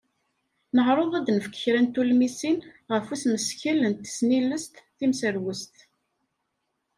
Neɛreḍ ad d-nefk kra n tulmisin ɣef usmeskel n tesnilest timserwest.